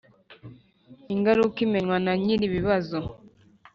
Ingaruka imenywa nanyiri bibazo.